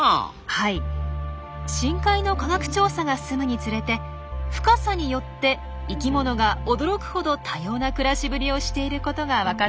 深海の科学調査が進むにつれて深さによって生きものが驚くほど多様な暮らしぶりをしていることがわかってきました。